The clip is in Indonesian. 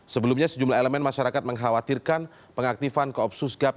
sebelumnya sejumlah elemen masyarakat mengkhawatirkan pengaktifan kopsus gab